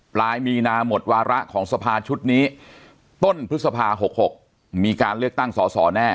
ปลายมีนาหมดวาระของสภาชุดนี้ต้นพฤษภา๖๖มีการเลือกตั้งสอสอแน่